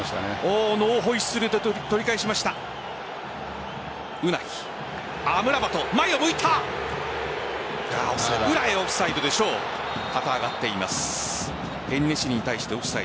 ノーホイッスルで取り返しました。